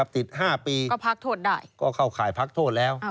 ติด๕ปีก็ค่าวข่ายพักโทษแล้ว